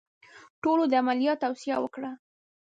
ټولو د عملیات توصیه وکړه.